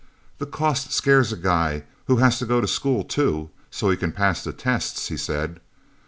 "The cost scares a guy who has to go to school, too, so he can pass the tests," he said.